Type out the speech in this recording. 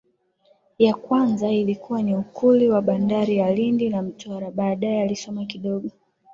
ya kwanza ilikuwa ni ukuli wa bandari ya Lindi na Mtwara Baadaye alisoma kidogo